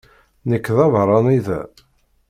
Nekk d abeṛṛani da.